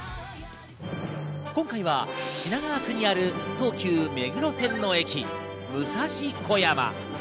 今回は品川区にある東急目黒線の駅、武蔵小山。